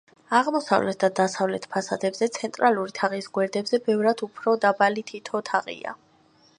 აღმოსავლეთ და დასავლეთ ფასადებზე, ცენტრალური თაღის გვერდებზე, ბევრად უფრო დაბალი თითო თაღია.